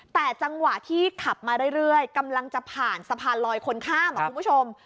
แต่จังหวะที่ขับมาเรื่อยกำลังจะผ่านสะพานลอยคนข้ามคุณผู้ชม